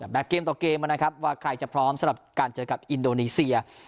แบบเกมต่อเกมนะครับว่าใครจะพร้อมสำหรับการเจอกับอินโดนีเซีย